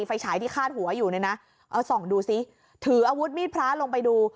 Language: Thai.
ฉายที่คาดหัวอยู่เนี่ยนะเอาส่องดูซิถืออาวุธมีดพระลงไปดู